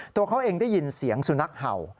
ตัวเขาเองได้ยินเสียงสุนัขเห่า